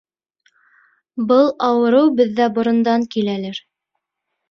Был ауырыу беҙҙә борондан киләлер.